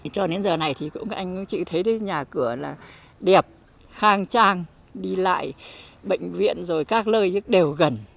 cho đến giờ này thì cũng anh chị thấy nhà cửa là đẹp khang trang đi lại bệnh viện rồi các lơi đều gần